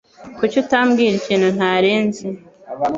Kuki utambwira ikintu ntari nzi?